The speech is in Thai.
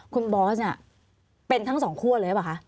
คุณบอสเนี่ยเป็นทั้งสองคั่วเลยหรือเปล่าคะ